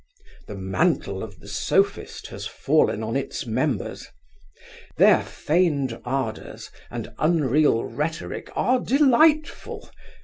The mantle of the Sophist has fallen on its members. Their feigned ardours and unreal rhetoric are delightful.